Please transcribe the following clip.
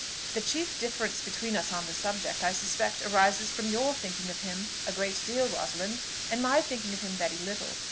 "The chief difference between us on the subject, I suspect arises from your thinking of him a great deal, Rosalind, and my thinking of him very little.